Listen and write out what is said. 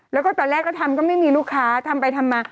แล้วก็ตอนแรกก็ทำก็ไม่มีลูกค้าทำไปทำมา